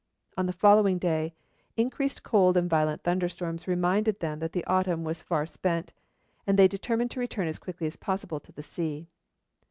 On the following day, increased cold and violent thunderstorms reminded them that the autumn was far spent, and they determined to return as quickly as possible to the sea.